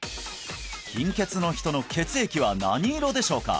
貧血の人の血液は何色でしょうか？